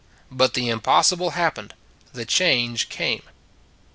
But the impossible happened : the change came.